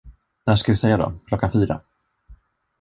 När ska vi säga då, klockan fyra?